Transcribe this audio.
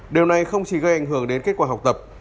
điều này không chỉ gây ảnh hưởng đến kết quả học tập